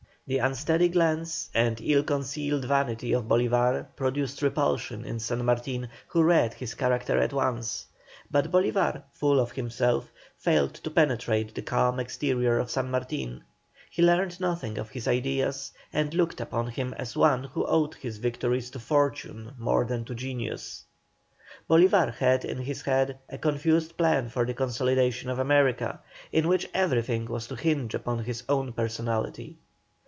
The unsteady glance and ill concealed vanity of Bolívar produced repulsion in San Martin, who read his character at once, but Bolívar, full of himself, failed to penetrate the calm exterior of San Martin; he learned nothing of his ideas, and looked upon him as one who owed his victories to fortune more than to genius. Bolívar had in his head a confused plan for the consolidation of America, in which everything was to hinge upon his own personality.